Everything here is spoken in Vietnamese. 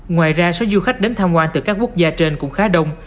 ngoài ra số du khách đến tham quan từ các quốc gia trên cũng khá đông